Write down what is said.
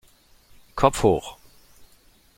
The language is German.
Kopf hoch!